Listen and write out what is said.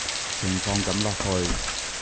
情況噉落去